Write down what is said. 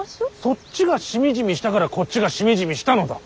そっちがしみじみしたからこっちがしみじみしたのだ。